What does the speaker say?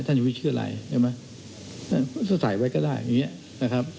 ท่านชีวิตชื่ออะไรเห็นไหมถ้าใส่ไว้ก็ได้อย่างเงี้ยนะครับ